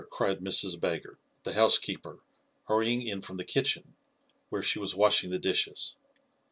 cried Mrs. Baggert, the housekeeper, hurrying in from the kitchen, where she was washing the dishes.